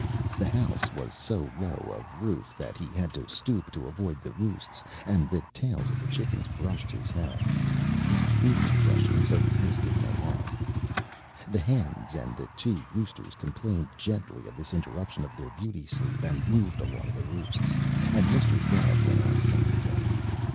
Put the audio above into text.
The house was so low of roof that he had to stoop to avoid the roosts, and the tails of the chickens brushed his hat. It needed brushing, so this did no harm. The hens and the two roosters complained gently of this interruption of their beauty sleep, and moved along the roosts, and Mr. Gubb went outside again.